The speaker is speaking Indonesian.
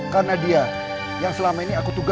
karena dia yang selalu berhenti masuk kumbayan